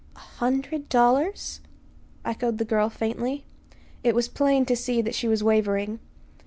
"A hundred dollars!" echoed the girl, faintly. It was plain to be seen that she was wavering.